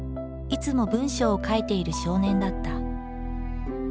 いつも文章を書いている少年だった。